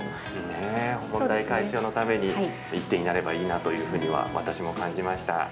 ね、問題解消のために一手になればいいなというふうには私も感じました。